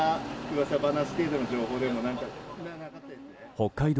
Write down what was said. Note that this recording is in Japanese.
北海道